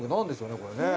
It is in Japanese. これね。